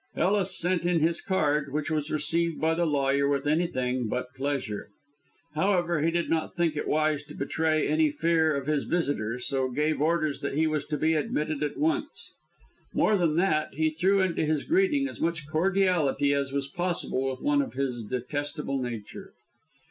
Ellis sent in his card, which was received by the lawyer with anything but pleasure. However, he did not think it wise to betray any fear of his visitor, so gave orders that he was to be admitted at once. More than that, he threw into his greeting as much cordiality as was possible with one of his detestable nature.